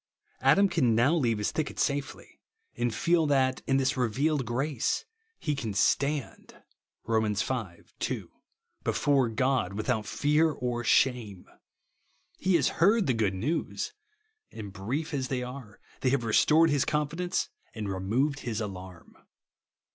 Adam can now leave his thicket safely ; and feel that, in this revealed gi ace, he can "stand" (Rom. v. 2) before God without fear or shame. He has heard the good news ; and brief as they are, they have restored his confidence and removed his alarm.